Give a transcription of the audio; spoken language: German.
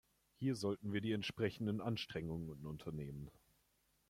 Hier sollten wir die entsprechenden Anstrengungen unternehmen.